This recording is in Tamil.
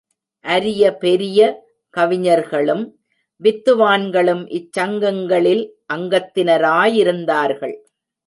அரியபெரிய கவிஞர்களும் வித்துவான்களும் இச்சங்கங்களில் அங்கத்தினராயிருந்தார்கள்.